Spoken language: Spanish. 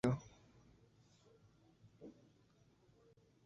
El inquisidor Tomás de Torquemada era sobrino suyo.